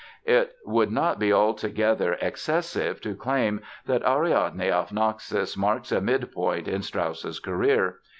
It would not be altogether excessive to claim that Ariadne auf Naxos marks a midpoint in Strauss's career.